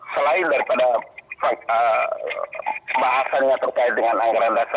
selain daripada bahasanya terkait dengan anggaran dasar